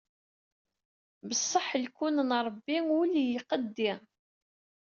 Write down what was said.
Beṣṣeḥ lkun n Ṛebbi ul yqeddi.